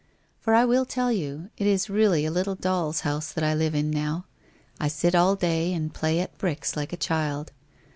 For I will tell you, it is really a little doll's house that I live in now. I sit all day and play at bricks like a child.